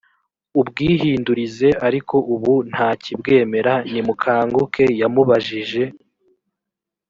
ubwihindurize ariko ubu ntakibwemera nimukanguke yamubajije